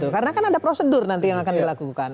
karena kan ada prosedur nanti yang akan dilakukan